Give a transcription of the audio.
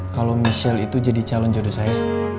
kalau michelle itu jadi calon jodoh saya